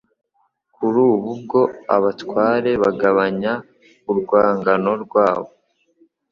Kuri ubu bwo, abatware bagabanya urwangano rwa bo.